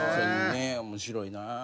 面白いな。